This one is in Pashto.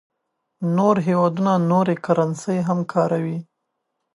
نور هېوادونه نورې کرنسۍ هم کاروي.